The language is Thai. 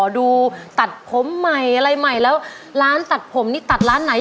ดูตัดผมใหม่อะไรใหม่แล้วร้านตัดผมนี่ตัดร้านไหน